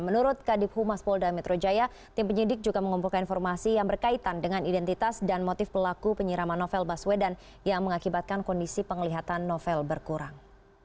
menurut kadif humas polda metro jaya tim penyidik juga mengumpulkan informasi yang berkaitan dengan identitas dan motif pelaku penyiraman novel baswedan yang mengakibatkan kondisi penglihatan novel berkurang